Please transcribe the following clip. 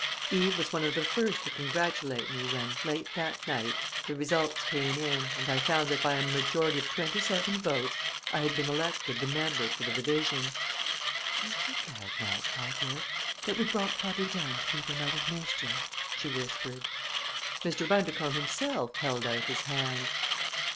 Eve was one of the first to congratulate me when, late that night, the results came in and I found that by a majority of twenty seven votes I had been elected the member for the division. "Aren't you glad now, Paul, dear, that we brought father down to keep him out of mischief?" she whispered. Mr. Bundercombe himself held out his hand.